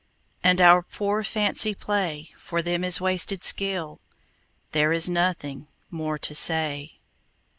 And our poor fancy play For them is wasted skill: There is nothing more to say.